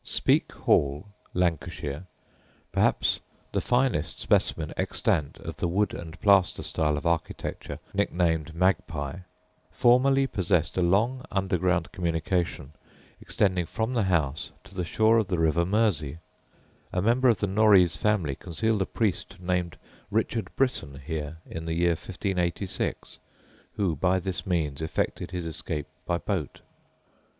Speke Hall, Lancashire (perhaps the finest specimen extant of the wood and plaster style of architecture nicknamed "Magpie "), formerly possessed a long underground communication extending from the house to the shore of the river Mersey; a member of the Norreys family concealed a priest named Richard Brittain here in the year 1586, who, by this means, effected his escape by boat.